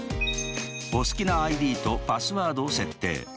お好きなＩＤとパスワードを設定。